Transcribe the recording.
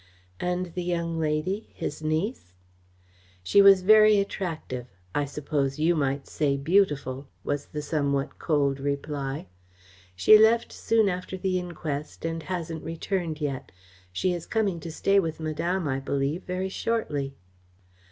"And the young lady his niece?" "She was very attractive I suppose you might say beautiful," was the somewhat cold reply. "She left soon after the inquest and hasn't returned yet. She is coming to stay with Madame, I believe, very shortly."